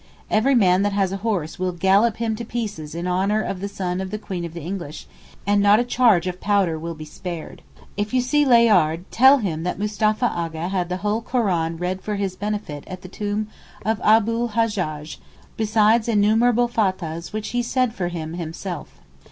Every man that has a horse will gallop him to pieces in honour of the son of the Queen of the English, and not a charge of powder will be spared. If you see Layard tell him that Mustapha A'gha had the whole Koran read for his benefit at the tomb of Abu l Hajjaj besides innumerable fathahs which he said for him himself.